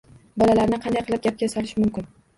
Bolalarni qanday qilib gapga solish mumkin?